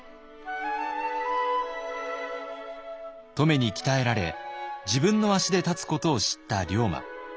乙女に鍛えられ自分の足で立つことを知った龍馬。